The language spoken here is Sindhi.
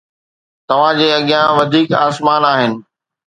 توهان جي اڳيان وڌيڪ آسمان آهن